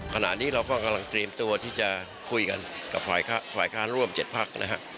ขณะนี้เราก็กำลังเตรียมตัวที่จะคุยกันกับฝ่ายค้านร่วม๗พักนะฮะ